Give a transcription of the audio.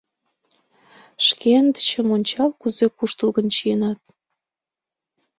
— Шкендычым ончал, кузе куштылгын чиенат.